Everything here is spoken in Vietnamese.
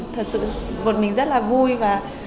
thật sự vượt mình rất là vui và